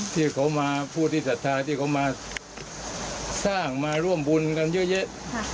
ที่เขามาผู้ที่ศรัทธาที่เขามาสร้างมาร่วมบุญกันเยอะแยะ